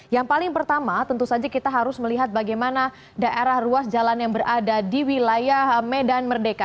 yang paling pertama tentu saja kita harus melihat bagaimana daerah ruas jalan yang berada di wilayah medan merdeka